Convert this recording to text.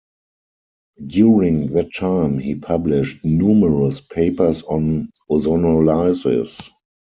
During that time he published numerous papers on ozonolysis.